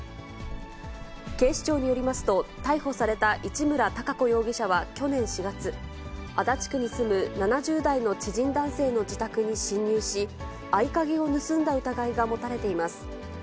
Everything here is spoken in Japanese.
警視庁によりますと、逮捕された市村貴子容疑者は去年４月、足立区に住む７０代の知人男性の自宅に侵入し、合鍵を盗んだ疑いが持たれています。